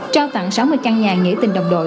trao tặng sáu mươi căn nhà nghĩa tình đồng đội